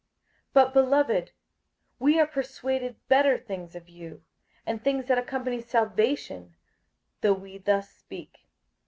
58:006:009 But, beloved, we are persuaded better things of you, and things that accompany salvation, though we thus speak.